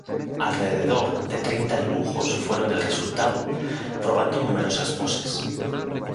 Alrededor de treinta dibujos fueron el resultado, probando numerosas poses.